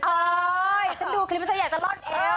อ้าวฉันดูคลิปจะร่อนเอว